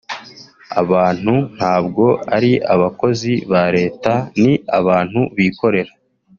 abantu ntabwo ari abakozi ba leta ni abantu bikorera